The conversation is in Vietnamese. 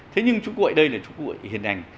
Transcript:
thế nhưng chú quệ đây là chú quệ hiện ảnh